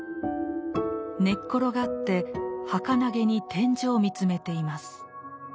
寝っ転がってはかなげに天井を見つめています。